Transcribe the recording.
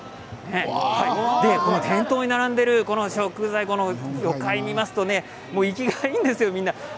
店頭に並んでいるこの食材魚介を見ますと生きがいいんですよね、みんな。